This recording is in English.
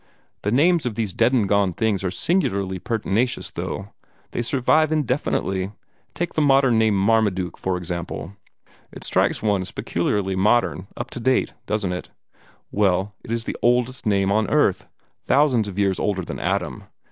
"The names of these dead and gone things are singularly pertinacious, though. They survive indefinitely. Take the modern name Marmaduke, for example. It strikes one as peculiarly modern, up to date, doesn't it? Well, it is the oldest name on earth thousands of years older than Adam.